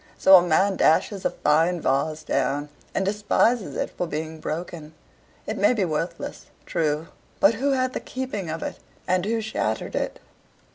So a man dashes a fine vase down, and despises it for being broken. It may be worthless true: but who had the keeping of it, and who shattered it?